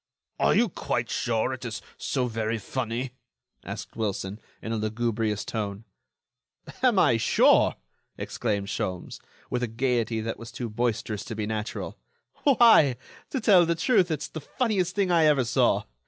"Are you quite sure it is so very funny?" asked Wilson, in a lugubrious tone. "Am I sure?" exclaimed Sholmes, with a gaiety that was too boisterous to be natural, "why, to tell the truth, it's the funniest thing I ever saw.